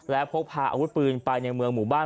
และพกพาอาวุธปืนไปในเมืองหมู่บ้าน